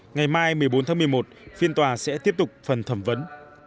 ngày mai một mươi bốn tháng một mươi một phiên tòa sẽ tiếp tục phần thẩm vấn